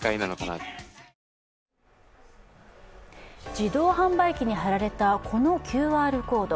自動販売機に貼られたこのＱＲコード。